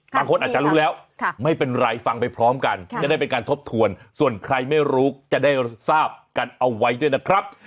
บางคนอาจจะรู้แล้วไม่เป็นไรฟังไปพร้อมกันจะได้เป็นการทบทวนส่วนใครไม่รู้จะได้ทราบกันเอาไว้ด้วยนะครับ